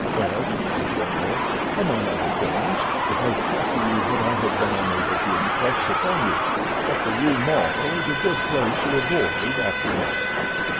"Well," said D'Arnot, "among other things, it has taught you what I have been unable to impress upon you—that the Rue Maule is a good place to avoid after dark."